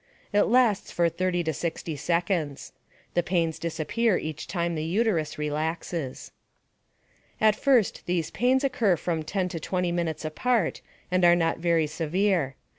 It lasts for 30 to 60 seconds. The pains disappear each time the uterus relaxes. At first these pains occur from 10 to 20 minutes apart and are not very severe.